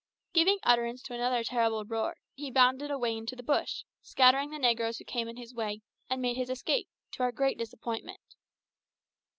Giving utterance to another terrible roar, he bounded away into the bush, scattering the negroes who came in his way, and made his escape, to our great disappointment.